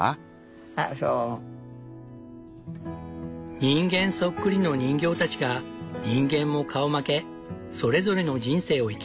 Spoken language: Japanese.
人間そっくりの人形たちが人間も顔負けそれぞれの人生を生きる。